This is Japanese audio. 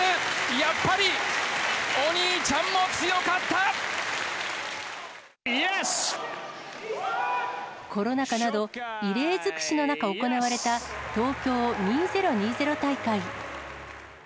やっぱり、コロナ禍など、異例尽くしの中、行われた東京２０２０大会。